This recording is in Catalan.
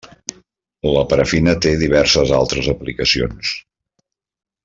La parafina té diverses altres aplicacions.